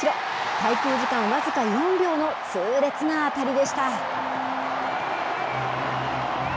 滞空時間僅か４秒の痛烈な当たりでした。